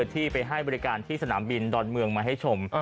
ที่ไปให้บริการที่สนามบินดอนเมืองมาให้ชม